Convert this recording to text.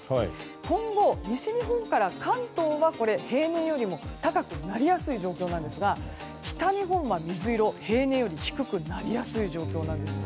今後、西日本から関東は平年よりも高くなりやすい状況なんですが北日本は水色、平年より低くなりやすい状況なんです。